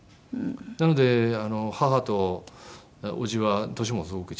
なので母とおじは年もすごく近くて。